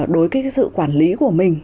đối với sự quản lý của mình